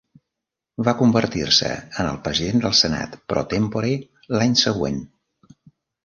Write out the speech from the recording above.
Va convertir-se en el president del Senat "pro tempore" l'any següent.